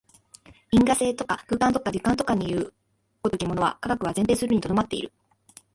因果性とか空間とか時間とかという如きものは、科学は前提するに留まっている。